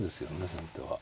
先手は。